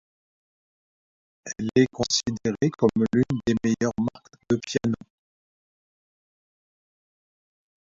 Elle est considérée comme l'une des meilleures marques de pianos.